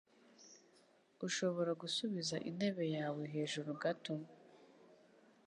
Ushobora gusubiza intebe yawe hejuru gato?